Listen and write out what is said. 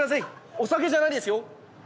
お酒じゃないですよ。